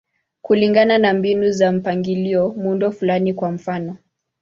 Kulingana na mbinu za mpangilio, muundo fulani, kwa mfano.